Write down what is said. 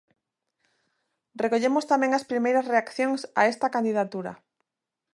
Recollemos tamén as primeiras reaccións a esta candidatura.